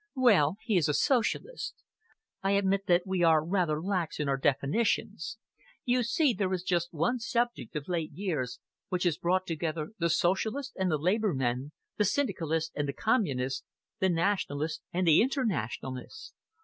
"Well, he is a Socialist. I admit that we are rather lax in our definitions. You see, there is just one subject, of late years, which has brought together the Socialists and the Labour men, the Syndicalists and the Communists, the Nationalists and the Internationalists.